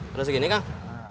terus begini kang